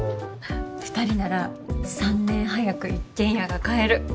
２人なら３年早く一軒家が買える。